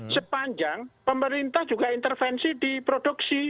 sepanjang pemerintah juga intervensi di produksi